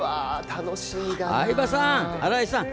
相葉さん、新井さん